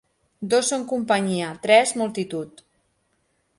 Dos són companyia; tres, multitud.